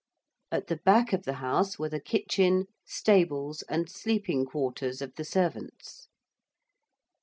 At the back of the house were the kitchen, stables, and sleeping quarters of the servants.